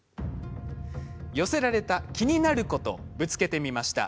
寄せられた気になることをぶつけてみました。